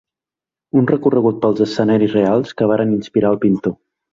Un recorregut pels escenaris reals que varen inspirar el pintor.